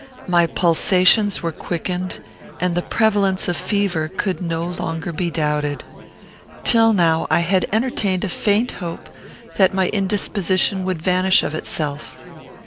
My pulsations were quickened, and the prevalence of fever could no longer be doubted. Till now, I had entertained a faint hope that my indisposition would vanish of itself.